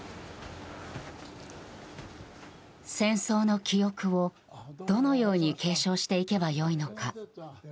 戦争の記憶を、どのように継承していけばよいのか。